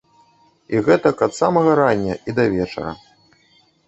І гэтак ад самага рання і да вечара.